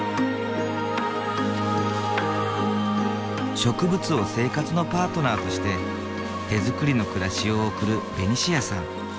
植物を生活のパートナーとして手づくりの暮らしを送るベニシアさん。